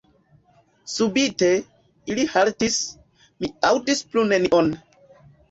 Subite, ili haltis, mi aŭdis plu nenion.